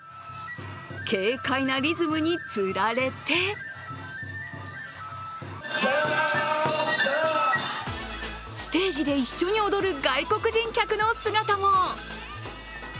軽快なリズムにつられてステージで一緒に踊る外国人客の姿も。